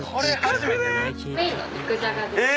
メインの肉じゃがです。